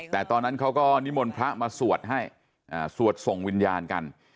แต่ตอนนั้นเขาก็นิมนต์พระมาสวดให้สวดส่งวิญญาณกัน